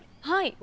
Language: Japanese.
はい。